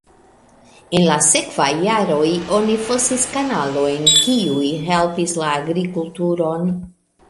En la sekvaj jaroj oni fosis kanalojn, kiuj helpis la agrikulturon.